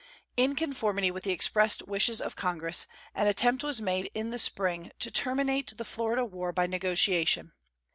In conformity with the expressed wishes of Congress, an attempt was made in the spring to terminate the Florida war by negotiation.